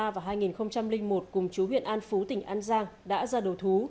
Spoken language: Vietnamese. và hai nghìn một cùng chú huyện an phú tỉnh an giang đã ra đầu thú